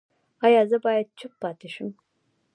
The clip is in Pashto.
ایا زه باید چوپ پاتې شم؟